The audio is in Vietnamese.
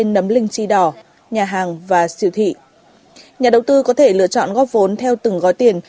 nấm linh chi đỏ nhà hàng và siêu thị nhà đầu tư có thể lựa chọn góp vốn theo từng gói tiền